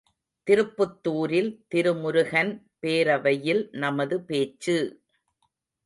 திருப்புத்தூரில் திருமுருகன் பேரவையில் நமது பேச்சு!